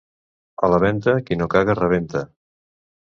A la Venta, qui no caga rebenta.